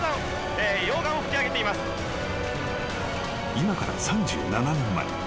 ［今から３７年前］